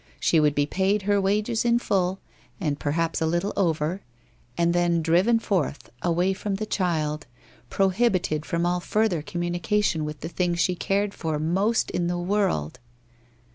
She would be paid her wages in full — and perhaps a little over — and then driven forth, away from the child, prohibited from all further communication with the thing she cared for most in the world